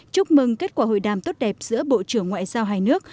chúc mừng kết quả hội đàm tốt đẹp giữa bộ trưởng ngoại giao hai nước